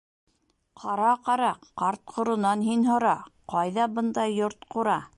— Ҡара-ҡара, ҡарт-ҡоронан һин һора, ҡайҙа бындай йорт-ҡура?